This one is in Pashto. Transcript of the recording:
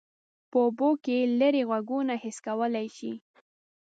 په اوبو کې لیرې غږونه حس کولی شي.